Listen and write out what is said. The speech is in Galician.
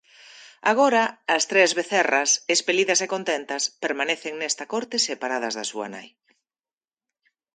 Agora, as tres becerras, espelidas e contentas, permanecen nesta corte separadas da súa nai.